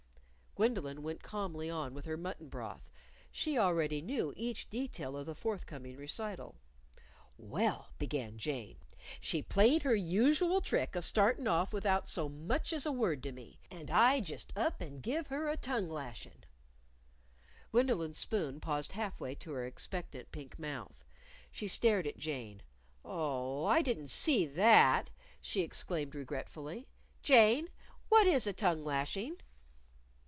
Gwendolyn went calmly on with her mutton broth. She already knew each detail of the forth coming recital. "Well," began Jane, "she played her usual trick of startin' off without so much as a word to me, and I just up and give her a tongue lashin'." Gwendolyn's spoon paused half way to her expectant pink mouth. She stared at Jane. "Oh, I didn't see that," she exclaimed regretfully. "Jane, what is a tongue lashing?"